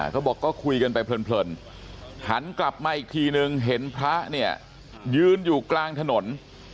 เขาบอกก็คุยกันไปเพลินหันกลับมาอีกทีนึงเห็นพระเนี่ยยืนอยู่กลางถนน